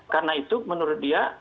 karena itu menurut dia